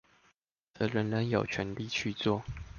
則人人有權利去做